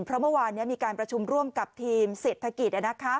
เพราะเมื่อวานมีการประชุมร่วมกับทีมเศรษฐกิจ